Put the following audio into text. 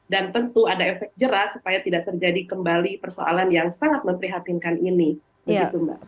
dan tentu ada efek jeras supaya tidak terjadi kembali persoalan yang sangat memprihatinkan ini